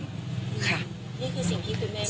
นี่คือสิ่งที่คุณแม่ไม่ได้